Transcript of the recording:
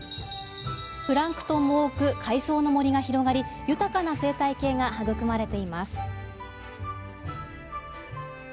プランクトンも多く海藻の森が広がり豊かな生態系が育まれています。